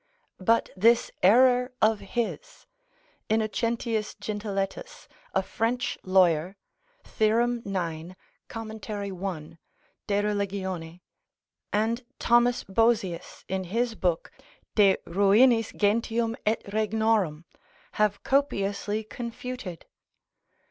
But this error of his, Innocentius Jentilettus, a French lawyer, theorem. 9. comment. 1. de Relig, and Thomas Bozius in his book de ruinis gentium et Regnorum have copiously confuted.